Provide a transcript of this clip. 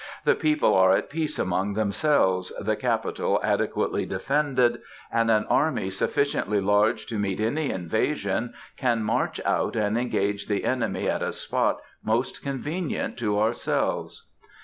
"The people are at peace among themselves, the Capital adequately defended, and an army sufficiently large to meet any invasion can march out and engage the enemy at a spot most convenient to ourselves."